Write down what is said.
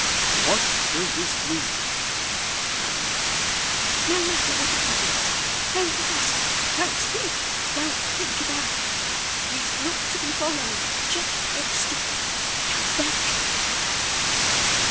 'What does this mean?' cried the locksmith. 'No matter what it means, don't ask, don't speak, don't think about it. He is not to be followed, checked, or stopped. Come back!